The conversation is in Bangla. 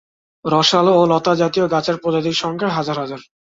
রসালো ও লতাজাতীয় গাছের প্রজাতির সংখ্যা হাজার হাজার।